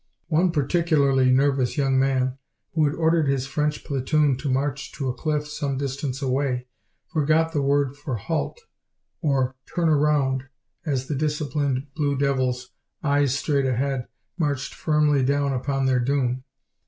One particularly nervous young man, who had ordered his French platoon to march to a cliff some distance away, forgot the word for "Halt" or "Turn around" as the disciplined Blue Devils, eyes straight ahead, marched firmly down upon their doom.